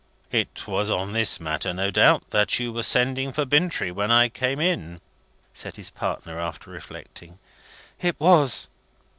"It was on this matter, no doubt, that you were sending for Bintrey when I came in?" said his partner, after reflecting. "It was."